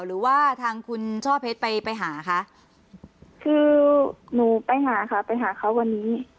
หรือว่าทางคุณช่อเพชรไปไปหาคะคือหนูไปหาค่ะไปหาเขาวันนี้